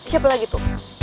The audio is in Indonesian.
siapa lagi tuh